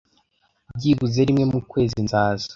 byibuze rimwe mu kwezi nzaza